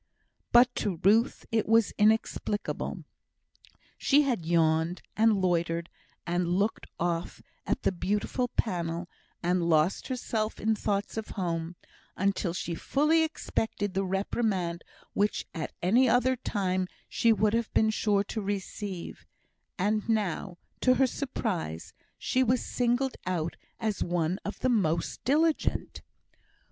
But to Ruth it was inexplicable. She had yawned, and loitered, and looked off at the beautiful panel, and lost herself in thoughts of home, until she fully expected the reprimand which at any other time she would have been sure to receive, and now, to her surprise, she was singled out as one of the most diligent!